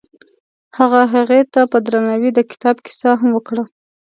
هغه هغې ته په درناوي د کتاب کیسه هم وکړه.